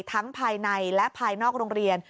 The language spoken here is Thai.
ภายในและภายนอกโรงเรียน